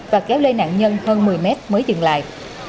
và kéo lê nạn nhân hơn một mươi mét mới dừng lại